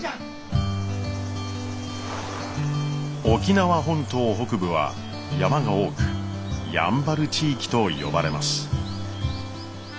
沖縄本島北部は山が多くやんばる地域と呼ばれます。